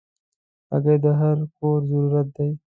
هګۍ د هر کور ضرورت ده.